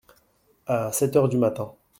À sept heures du matin.